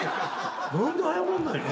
何で謝んないの？